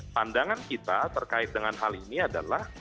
pandangan kita terkait dengan hal ini adalah